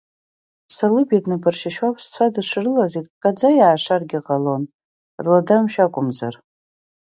Салыбеи днапыршьшьуа аԥсцәа дышрылаз иккаӡа иаашаргьы ҟалон рла Дамшә акәымзар…